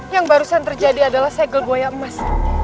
yang barusan terjadi adalah segel buaya emas